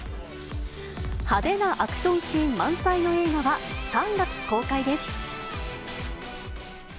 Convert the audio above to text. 派手なアクションシーン満載の映画は、３月公開です。